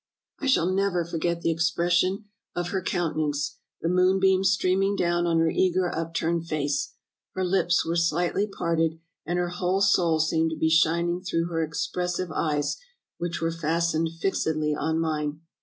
I shall never forget the expression of her counte nance, the moonbeams streaming down on her eager, upturned face. Her Hps were sHghtly parted, and her whole soul seemed to be shining through her expressive eyes, which were fastened fixedly on mine.